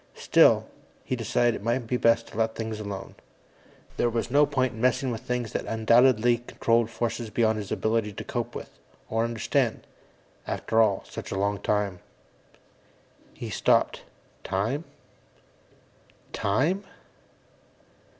Still, he decided it might be best to let things alone. There was no point in messing with things that undoubtedly controlled forces beyond his ability to cope with, or understand. After all, such a long time He stopped, Time? _Time?